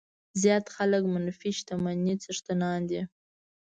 زیات خلک منفي شتمنۍ څښتنان دي.